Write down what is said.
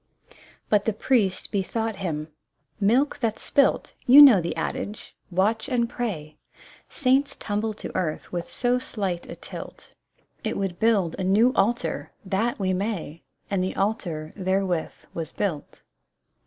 But the priest bethought him :"' Milk that's spilt '— You know the adage ! Watch and pray ! Saints tumble to earth with so slight a tilt ! It would build a new altar ; that, we may !" And the altar therewith was built.